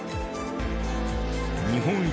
日本一